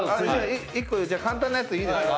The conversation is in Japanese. １個簡単なやついいですか？